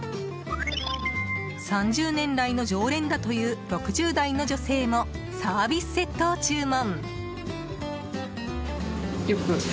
３０年来の常連だという６０代の女性もサービスセットを注文。